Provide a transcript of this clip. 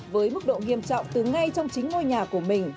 với mức độ nghiêm trọng từ ngay trong chính ngôi nhà của mình